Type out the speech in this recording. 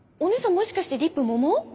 もしかしてリップもも？